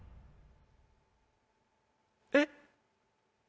えっ？